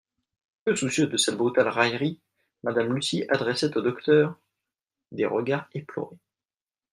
Peu soucieuse de cette brutale raillerie, Madame Lucy adressait au docteur des regards éplorés.